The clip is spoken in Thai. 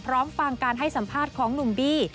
ฟังการให้สัมภาษณ์ของหนุ่มบี้